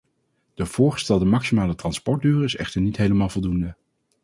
De voorgestelde maximale transportduur is echter niet helemaal voldoende.